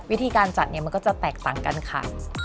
วิธีการจัดเนี่ยมันก็จะแตกต่างกันค่ะ